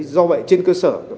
do vậy trên cơ sở